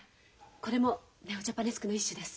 これもネオジャパネスクの一種です。